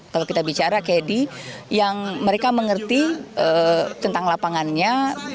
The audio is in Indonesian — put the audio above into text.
kalau kita bicara kd yang mereka mengerti tentang lapangannya